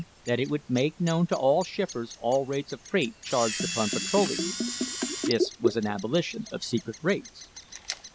That it would make known to all shippers all rates of freight charged upon petroleum. [This was an abolition of secret rates.